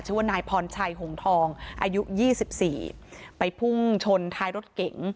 ชื่อว่านายพรชัยหงฑอายุ๒๔ไปพุ่งชนท้ายรถเก่ง